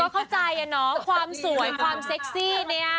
เข้าใจอะเนาะความสวยความเซ็กซี่เนี่ย